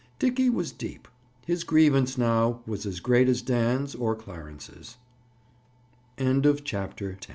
Dickie was deep. His grievance now was as great as Dan's or Clarence's. CHAPTER XI—FISH